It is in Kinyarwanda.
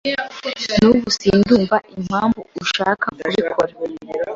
Nubu sindumva impamvu ushaka kubikora.